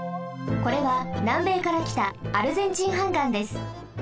これはなんべいからきたアルゼンチン斑岩です。